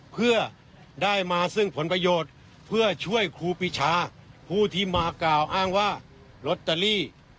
เพื่อช่วยครูปิชาผู้ที่มาก่าวอ้างว่ารถจรี